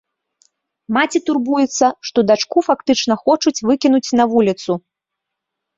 Маці турбуецца, што дачку фактычна хочуць выкінуць на вуліцу.